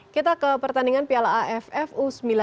kita ke pertandingan piala aff u sembilan belas